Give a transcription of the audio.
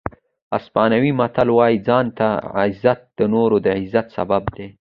اسپانوي متل وایي ځان ته عزت د نورو د عزت سبب دی.